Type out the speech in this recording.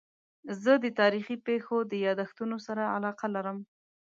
زه د تاریخي پېښو د یادښتونو سره علاقه لرم.